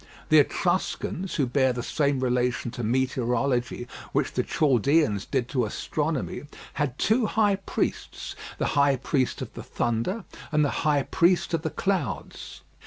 The Etruscans, who bear the same relation to meteorology which the Chaldeans did to astronomy, had two high priests the high priest of the thunder, and the high priest of the clouds.